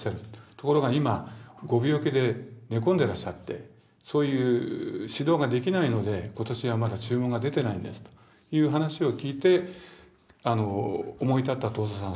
ところが今ご病気で寝込んでらっしゃってそういう指導ができないので今年はまだ注文が出てないんですという話を聞いて思い立った東蔵さん